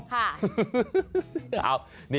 ค่ะ